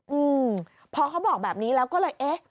อืมพอเขาบอกแบบนี้แล้วก็เลยเอ๊ะ